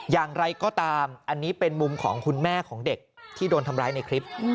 อย่างไรก็ตามอันนี้เป็นมุมของคุณแม่ของเด็กที่โดนทำร้ายในคลิป